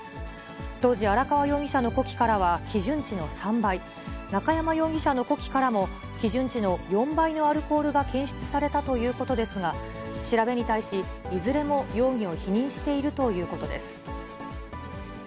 当時、荒川容疑者の呼気からは基準値の３倍、中山容疑者の呼気からも、基準値の４倍のアルコールが検出されたということですが、調べに対し、いずれも容疑を否認しているということです。